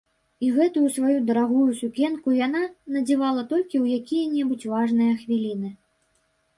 І гэтую сваю дарагую сукенку яна надзявала толькі ў якія-небудзь важныя хвіліны.